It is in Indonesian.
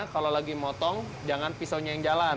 kalau lagi motong jangan pisaunya yang jalan